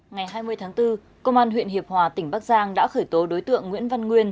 ngày hai mươi tháng bốn công an huyện hiệp hòa tỉnh bắc giang đã khởi tố đối tượng nguyễn văn nguyên